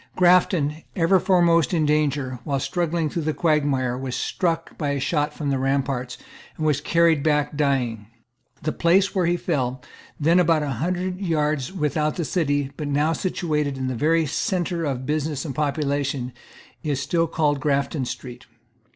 Grafton, ever foremost in danger, while struggling through the quagmire, was struck by a shot from the ramparts, and was carried back dying. The place where he fell, then about a hundred yards without the city, but now situated in the very centre of business and population, is still called Grafton Street.